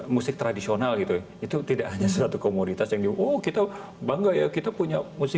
musik tradisional gitu itu tidak hanya satu komoditas yang oh kita bangga ya kita punya musik